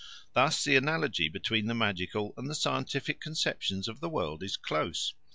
Thus the analogy between the magical and the scientific conceptions of the world is close.